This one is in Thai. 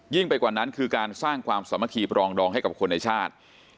ไปกว่านั้นคือการสร้างความสามัคคีปรองดองให้กับคนในชาติ